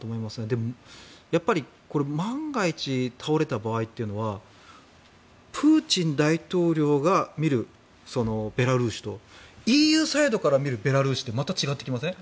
でも、万が一倒れた場合というのはプーチン大統領が見るベラルーシとＥＵサイドから見るベラルーシってまた違ってきません？